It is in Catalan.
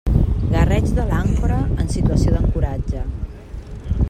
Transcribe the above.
Garreig de l'àncora en situació d'ancoratge.